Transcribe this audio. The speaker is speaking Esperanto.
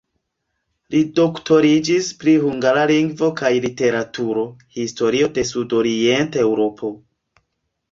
Li doktoriĝis pri hungara lingvo kaj literaturo, historio de Sudorient-Eŭropo.